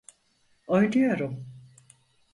Oynuyorum.